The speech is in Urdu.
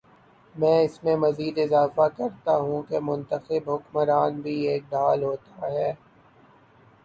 میں اس میں مزید اضافہ کرتا ہوں کہ منتخب حکمران بھی ایک ڈھال ہوتا ہے۔